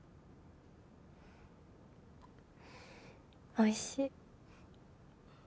おいしい。